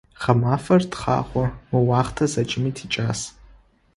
Гъэмафэр тхъагъо, мы уахътэр зэкӀэми тикӀас.